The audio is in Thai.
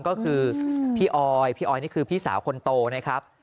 ก็คือพี่ออยพี่ออยนี่คือพี่สาวคนโตนะครับ